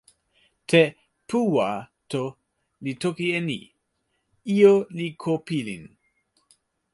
te "puwa" to li toki e ni: ijo li ko pilin.